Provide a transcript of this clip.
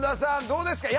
どうですか？